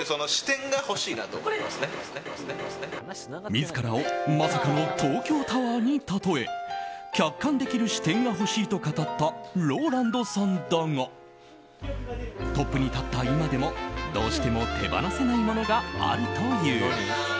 自らをまさかの東京タワーにたとえ客観できる視点が欲しいと語ったＲＯＬＡＮＤさんだがトップに立った今でもどうしても手放せないものがあるという。